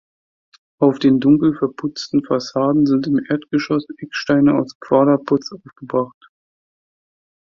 Auf den dunkel verputzten Fassaden sind im Erdgeschoss Ecksteine aus Quaderputz aufgebracht.